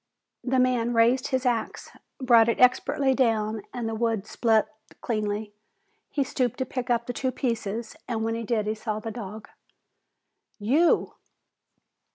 The man raised his axe, brought it expertly down, and the wood split cleanly. He stooped to pick up the two pieces and when he did he saw the dog. "You!"